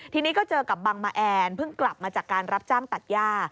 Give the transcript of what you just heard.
ทีนี้ก็เจอกับบังมาแอนเพิ่งกลับมาจากการรับจ้างตัดย่า